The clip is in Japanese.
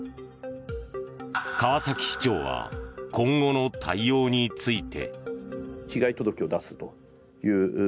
川崎市長は今後の対応について。